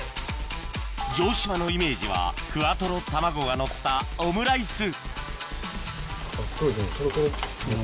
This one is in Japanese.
城島のイメージはふわとろ卵がのったオムライスすごいですね